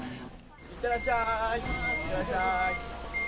いってらっしゃい。